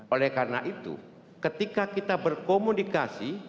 oleh karena itu ketika kita berkomunikasi